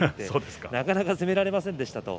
なかなか攻められませんでした。